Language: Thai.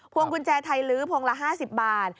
วงกุญแจไทยลื้อพวงละ๕๐บาท